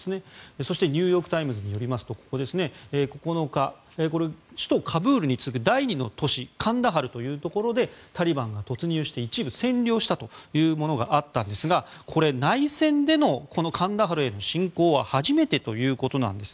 そしてニューヨーク・タイムズによりますと９日、首都カブールに次ぐ第２の都市カンダハルというところでタリバンが突入して一部占領したというものがあったんですが内戦でのカンダハル侵攻は初めてということなんです。